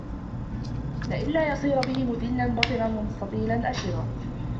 لِئَلَّا يَصِيرَ بِهِ مُدِلًّا بَطِرًا وَمُسْتَطِيلًا أَشِرًا